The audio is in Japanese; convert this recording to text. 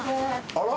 あら？